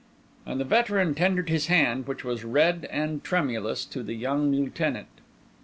And the veteran tendered his hand, which was red and tremulous, to the young Lieutenant.